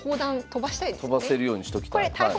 飛ばせるようにしときたい。